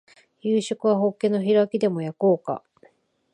夕食はホッケの開きでも焼こうか